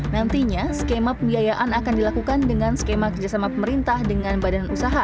nantinya skema pembiayaan akan dilakukan dengan skema kerjasama pemerintah dengan badan usaha